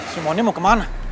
si mondi mau kemana